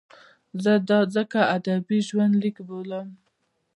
زه دا ځکه ادبي ژوندلیک بولم.